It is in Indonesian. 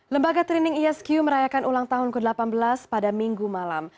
lembaga training isq merayakan ulang tahun ke delapan belas pada minggu malam